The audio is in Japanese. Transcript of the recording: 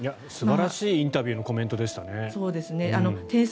素晴らしいインタビューのコメントでしたね。